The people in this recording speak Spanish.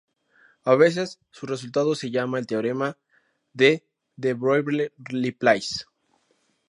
A veces su resultado se llama el Teorema de De Moivre-Laplace.